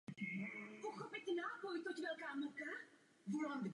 Seznam profesních komor České republiky je k dispozici na webu Nejvyššího správního soudu.